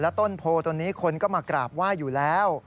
ต้นโพตัวนี้คนก็มากราบไหว้อยู่แล้ว